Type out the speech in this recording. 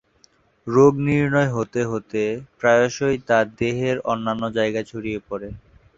রোগ নির্ণয় হতে হতে প্রায়শই তা দেহের অন্যান্য জায়গায় ছড়িয়ে পড়ে।